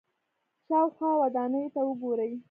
شاوخوا ودانیو ته وګورئ.